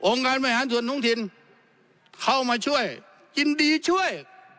องค์การแม่ฮันส่วนตรงถิ่นเข้ามาช่วยยินดีช่วย